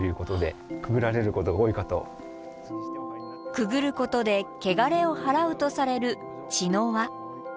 くぐることで汚れを払うとされる茅の輪。